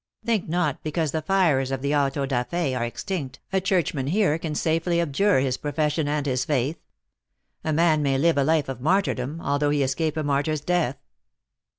Think not, because the fires of the auto da fe are extinct, a churchman here can safely abjure his profession and his faith. A man may live a life of martyrdom, al though he escape a martyr s death."